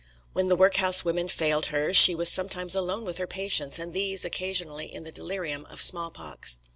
When the work house women failed her she was sometimes alone with her patients, and these occasionally in the delirium of small pox.